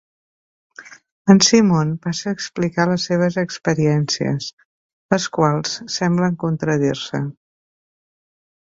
En Simon passa a explicar les seves experiències, les quals semblen contradir-se.